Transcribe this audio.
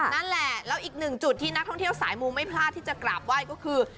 นั่นแหละแล้วอีกหนึ่งจุดที่นักท่องเที่ยวสายมูไม่พลาดที่จะกราบไหว้ก็คือ